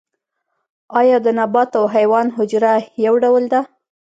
ایا د نبات او حیوان حجره یو ډول ده